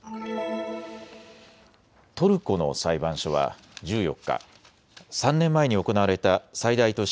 トルコの裁判所は１４日、３年前に行われた最大都市